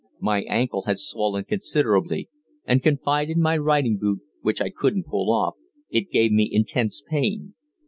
My ankle had swollen considerably, and, confined in my riding boot, which I couldn't pull off, it gave me intense pain.